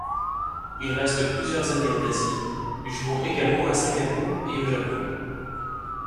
Il reste plusieurs années en Asie, jouant également à Singapour et au Japon.